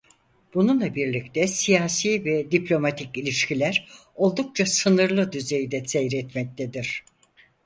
Bununla birlikte siyasi ve diplomatik ilişkiler oldukça sınırlı düzeyde seyretmektedir.